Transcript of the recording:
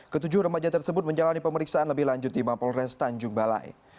ketujuh remaja tersebut menjalani pemeriksaan lebih lanjut di mampol res tanjung balai